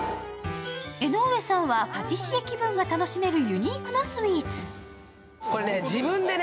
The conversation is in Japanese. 江上さんは、パティシエ気分が楽しめるユニークなスイーツ。